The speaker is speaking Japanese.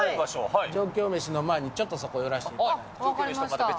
上京メシの前にちょっとそこ寄らせていただいて。